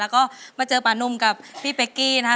ก็มาเจอปานุ่มกับพี่เป๊กกี้นะคะ